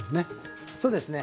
そうですね